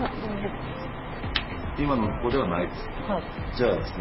今のとこではないですね？